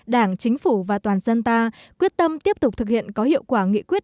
đảng chính phủ và toàn dân ta quyết tâm tiếp tục thực hiện có hiệu quả nghị quyết